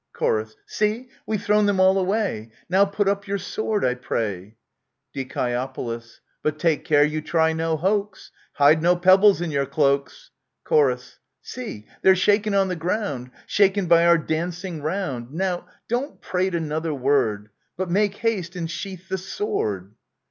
Chor. See ! we've thrown them all awagd Now put up your sword, I pray. Die. But take care you try no hoax ! Hide no pebbles in your cloaks ! Chor. See, they're shaken on the ground, Shaken by our dancing round ! Now, don't prate another word, But make haste and sheathe the sword